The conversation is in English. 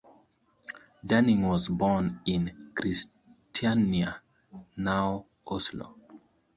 Danning was born in Kristiania (now Oslo).